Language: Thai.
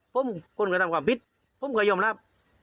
ผมคุณกระทำความผิดผมก็ยอมรับ